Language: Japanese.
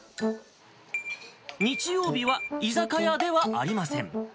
日曜日は居酒屋ではありません。